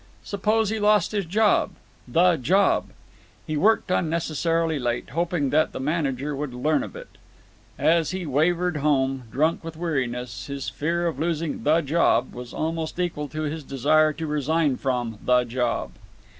Suppose he lost his job; The Job! He worked unnecessarily late, hoping that the manager would learn of it. As he wavered home, drunk with weariness, his fear of losing The Job was almost equal to his desire to resign from The Job.